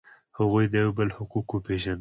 هغوی د یو بل حقوق پیژندل.